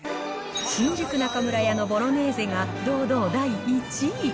新宿中村屋のボロネーゼが、堂々第１位。